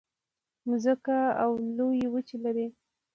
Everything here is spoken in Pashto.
مځکه اوه لویې وچې لري.